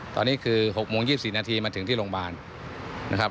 ตอนนี้คือ๖โมง๒๔นาทีมาถึงที่โรงพยาบาลนะครับ